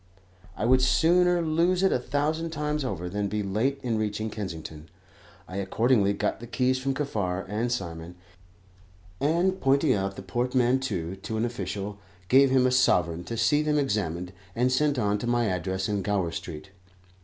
I would sooner lose it a thousand times over than be late in reaching Kensington. I accordingly got the keys from Kaffar and Simon, and pointing out the portmanteaus to an official, gave him a sovereign to see them examined and sent on to my address in Gower Street.